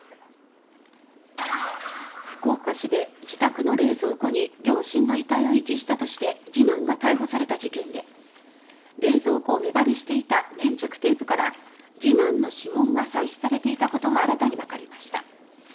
福岡市で自宅の冷蔵庫に両親の遺体を遺棄したとして次男が逮捕された事件で冷蔵庫を目張りしていた粘着テープから次男の指紋が採取されていたことが新たにわかりました。